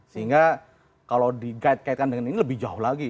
sehingga kalau dikaitkan dengan ini lebih jauh lagi